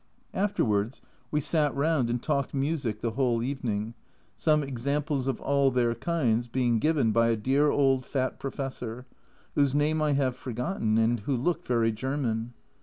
Afterwards we sat round and talked music the whole evening, some examples of all their kinds being given by a dear old fat professor, whose name I have forgotten, and who looked very German.